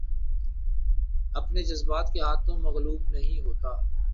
اپنے جذبات کے ہاتھوں مغلوب نہیں ہوتا